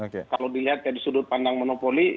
kalau dilihat dari sudut pandang monopoli